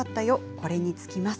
これに尽きます。